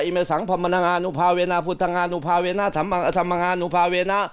อิเมสังพรรมนางานุภาเวณะพุทธงานุภาเวณะธรรมงานุภาเวณะ